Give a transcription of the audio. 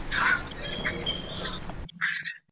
ولي محنتي ځوان د لایق کس په پرتله برخلیک بدلوي؟